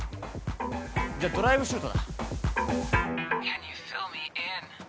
じゃあドライブシュートだ。